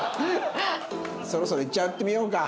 そろそろいっちゃってみようか。